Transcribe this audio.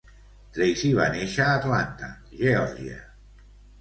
Tracy va néixer a Atlanta, Georgia.